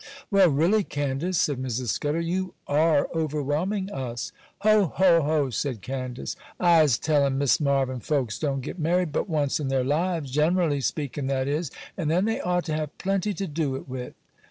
'Why, really, Candace,' said Mrs. Scudder, 'you are overwhelming us!' 'Ho! ho! ho!' said Candace, 'I'se tellin' Miss Marvyn folks don't get married but once in their lives (gen'rally speaking, that is), and then they ought to have plenty to do it with.